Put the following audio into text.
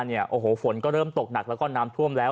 โดยฝนก็เริ่มตกหนักและน้ำท่วมแล้ว